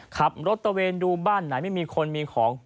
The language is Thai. ขับรถตะเวนดูบ้านไหนไม่มีคนมีของ